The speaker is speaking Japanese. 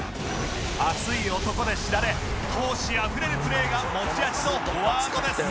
熱い漢で知られ闘志あふれるプレーが持ち味のフォワードです